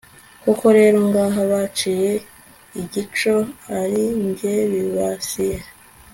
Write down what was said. koko rero ngaha baciye igico ari jye bibasiye